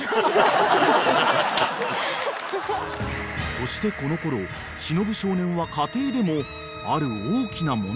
［そしてこのころ忍少年は家庭でもある大きな問題を抱えていた］